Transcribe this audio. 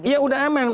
iya udah aman